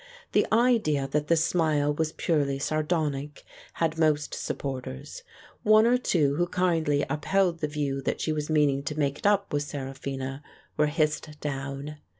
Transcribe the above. The idea that the smile was purely sardonic had most supporters : one or two who kindly upheld the view that she was meaning to make it up with Seraphina were hissed 80 The Dance on the Beefsteak down.